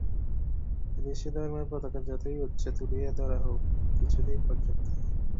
এদেশে ধর্মের পতাকা যতই উচ্চে তুলিয়া ধরা হউক, কিছুতেই পর্যাপ্ত হয় না।